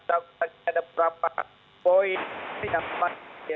ada beberapa poin yang dianggap